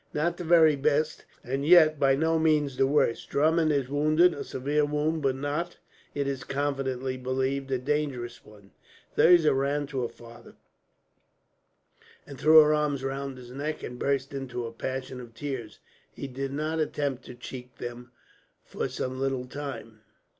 "Not the very best, and yet by no means the worst. Drummond is wounded a severe wound, but not, it is confidently believed, a dangerous one." Thirza ran to her father and threw her arms round his neck, and burst into a passion of tears. He did not attempt to check them for some little time.